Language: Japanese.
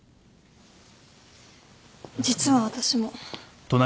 実は私も。